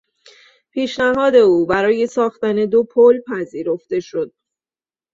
پیشنهاد او برای ساختن دو پل پذیرفته شد.